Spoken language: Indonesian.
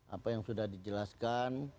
apa yang sudah dijelaskan